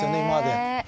今まで。